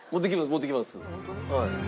持ってきます。